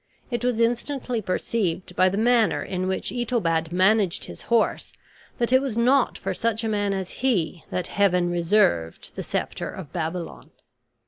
It was instantly perceived by the manner in which Itobad managed his horse, that it was not for such a man as he that Heaven reserved the scepter of Babylon.